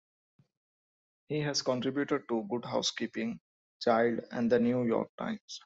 He has contributed to "Good Housekeeping", "Child", and "The New York Times".